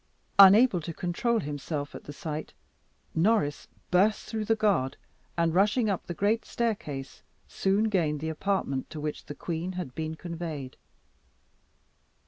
Unable to control himself at the sight, Norris burst through the guard, and rushing up the great staircase, soon gained the apartment to which the queen had been conveyed.